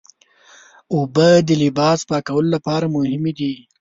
اوبه د لباسي پاکولو لپاره مهمې دي.